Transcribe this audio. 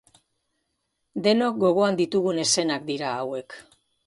Denok gogoan ditugun eszenak dira hauek.